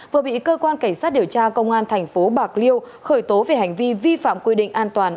vừa bị cơ quan cảnh sát điều tra công an thành phố bạc liêu khởi tố về hành vi vi phạm quy định an toàn